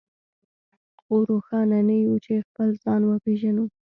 خو روښانه نه يو چې خپل ځان وپېژنو.